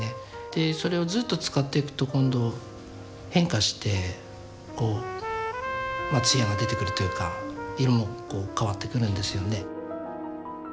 でそれをずっと使っていくと今度変化してこう艶が出てくるというか色もこう変わってくるんですよね。